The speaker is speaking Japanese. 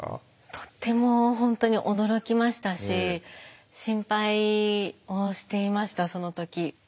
とっても本当に驚きましたし心配をしていました